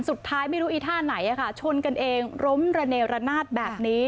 สุดท้ายไม่รู้อีท่าไหนชนกันเองล้มระเนรนาศแบบนี้